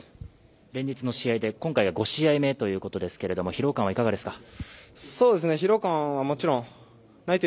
連日の試合で、今回が５試合目ということですけど疲労感はいかがですか？